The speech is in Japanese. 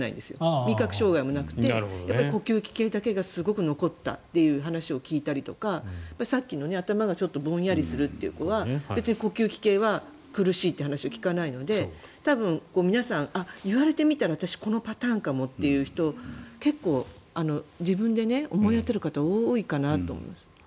味覚障害もなくてやっぱり呼吸器系だけがすごく残ったって話を聞いたりとかさっきの頭がちょっとぼんやりするという子は別に呼吸器系は苦しいという話を聞かないので多分、皆さん言われてみたらこのパターンかもっていう人結構、自分で思い当たる方は多いかなと思います。